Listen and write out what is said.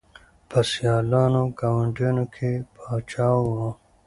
په سیالانو ګاونډیانو کي پاچا وو